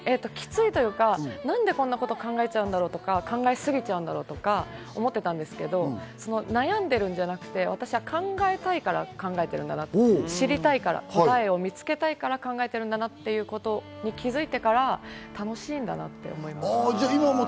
なんでこんなことを考えちゃうんだろうとか考えすぎちゃうんだろうとか思ってたんですけど、悩んでるんじゃなくて、私は考えたいから考えてるんだな、知りたいから答えを見つけたいから考えてるんだなってことに気づいてから楽しんだなって思いました。